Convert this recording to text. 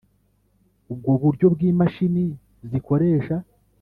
ubwo buryo bw imashini zikoresha